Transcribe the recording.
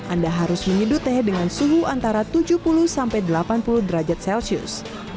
anda harus menyeduh teh dengan suhu antara tujuh puluh sampai delapan puluh derajat celcius